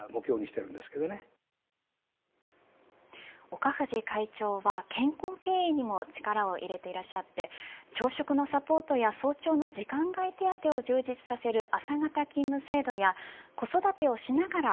岡藤会長は健康経営にも力を入れていらっしゃって朝食のサポートや早朝の時間外手当を充実させる朝型勤務制度や子育てをしながら